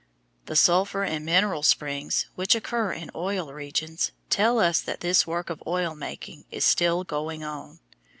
The sulphur and mineral springs which occur in oil regions tell us that this work of oil making is still going on.